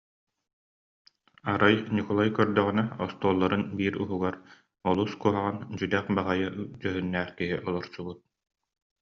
Арай Ньукулай көрдөҕүнэ, остуолларын биир уһугар олус куһаҕан, дьүдьэх баҕайы дьүһүннээх киһи олорсубут